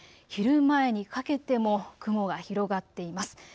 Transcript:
昼前にかけても雲は広がっています。